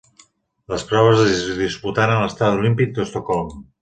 Les proves es disputaren a l'Estadi Olímpic d'Estocolm.